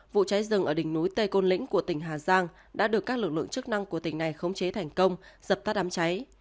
vụ cháy rừng ở đỉnh núi tây côn lĩnh của tỉnh hà giang đã được các lực lượng chức năng của tỉnh này khống chế thành công dập tắt đám cháy